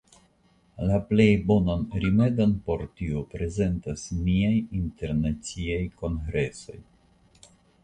La plej bonan rimedon por tio prezentas niaj internaciaj kongresoj.